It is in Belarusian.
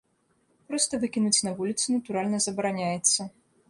Проста выкінуць на вуліцу, натуральна, забараняецца.